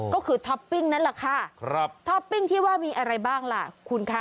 ก็คือท็อปปิ้งนั่นแหละค่ะครับท็อปปิ้งที่ว่ามีอะไรบ้างล่ะคุณคะ